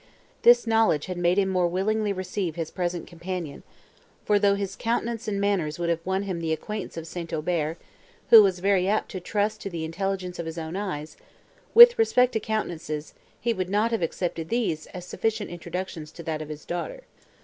This knowledge had made him more willingly receive his present companion; for, though his countenance and manners would have won him the acquaintance of St. Aubert, who was very apt to trust to the intelligence of his own eyes, with respect to countenances, he would not have accepted these, as sufficient introductions to that of his daughter.